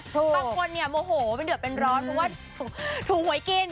บางคนเนี่ยโมโหมันเดือดเป็นร้อนเพราะว่าถูกหวยกิน